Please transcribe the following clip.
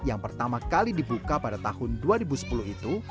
yang pertama kali dibuka pada tahun dua ribu sepuluh itu